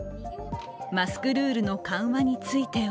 マスクルールの緩和については